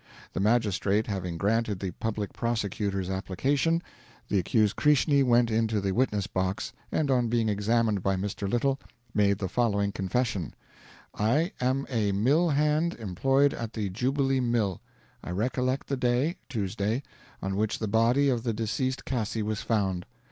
"The Magistrate having granted the Public Prosecutor's application, the accused Krishni went into the witness box, and, on being examined by Mr. Little, made the following confession: I am a mill hand employed at the Jubilee Mill. I recollect the day (Tuesday); on which the body of the deceased Cassi was found.